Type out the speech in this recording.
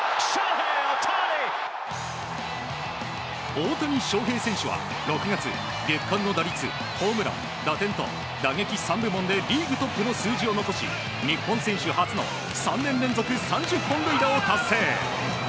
大谷翔平選手は６月月間の打率、ホームラン、打点と打撃３部門でリーグトップの数字を残し日本選手初の３年連続３０本塁打を達成。